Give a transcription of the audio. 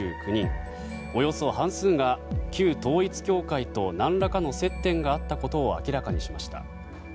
およそ半数が旧統一教会と何らかの接点があったことを明らかにしました。